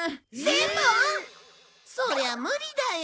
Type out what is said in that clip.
そりゃムリだよ。